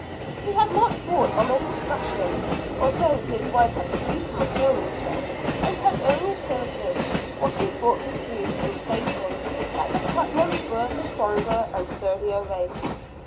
He had not brought on the discussion, although his wife had accused him of so doing, and had only asserted what he thought the truth in stating that the Putnams were the stronger and sturdier race.